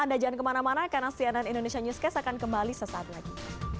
anda jangan kemana mana karena cnn indonesia newscast akan kembali sesaat lagi